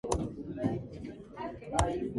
Makinwa also played for the Nigerian national team.